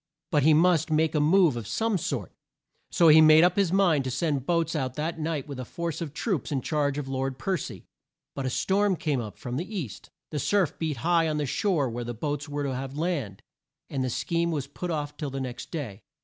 But he must make a move of some sort, so he made up his mind to send boats out that night with a force of troops in charge of Lord Per cy. But a storm came up from the east; the surf beat high on the shore where the boats would have to land; and the scheme was put off till the next day.